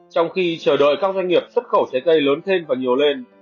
trong khi chờ đợi các doanh nghiệp xuất khẩu trái cây lớn thêm và nhiều lên